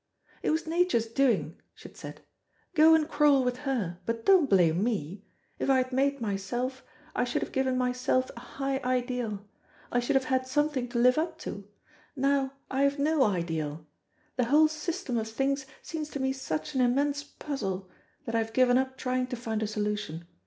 "It was Nature's doing," she had said; "go and quarrel with her, but don't blame me. If I had made myself, I should have given myself a high ideal; I should have had something to live up to. Now, I have no ideal. The whole system of things seems to me such an immense puzzle, that I have given up trying to find a solution.